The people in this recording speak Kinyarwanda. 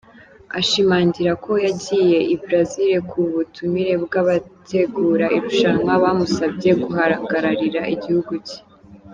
Ashimangira ko yagiye i Brazaville ku butumire bw’abategura irushanwa bamusabye guhagararira igihugu cye.